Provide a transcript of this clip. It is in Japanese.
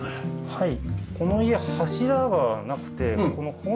はい。